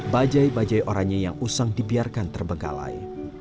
bajai bajai orangnya yang usang dibiarkan terbengkalai